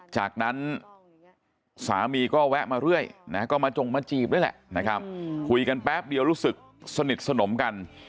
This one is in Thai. จากนั้นสามีก็แวะมาเรื่อยนะก็มาจงมาจีบด้วยแหละนะครับคุยกันแป๊บเดียวรู้สึกสนิทสนมกัน